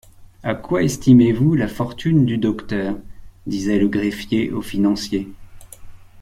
À quoi estimez-vous la fortune du docteur? disait le greffier au financier.